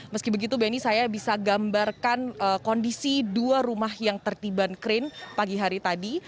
meski begitu beni saya bisa gambarkan kondisi dua rumah yang tertiban krain pagi hari tadi